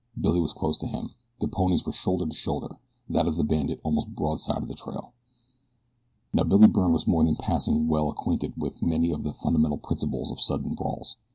Billy was close to him. Their ponies were shoulder to shoulder, that of the bandit almost broadside of the trail. Now Billy Byrne was more than passing well acquainted with many of the fundamental principles of sudden brawls.